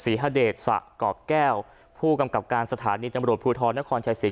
หาเดชสะเกาะแก้วผู้กำกับการสถานีตำรวจภูทรนครชายศรี